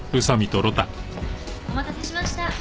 お待たせしました。